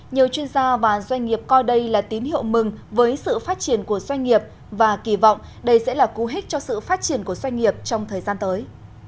nhiều chuyên gia và doanh nghiệp coi đây là tín hiệu mừng với sự phát triển của doanh nghiệp và kỳ vọng đây sẽ là cú hích cho sự phát triển của doanh nghiệp trong thời gian tới